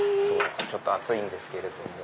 ちょっと暑いんですけれども。